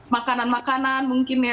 makanan makanan mungkin ya